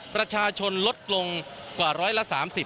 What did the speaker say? ประชาชนลดลงกว่า๑๓๐บาท